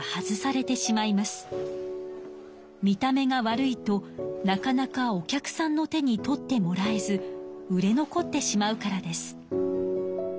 見た目が悪いとなかなかお客さんの手に取ってもらえず売れ残ってしまうからです。